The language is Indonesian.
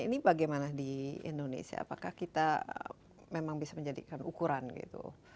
ini bagaimana di indonesia apakah kita memang bisa menjadikan ukuran gitu